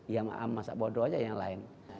ya masak bodoh aja yang lain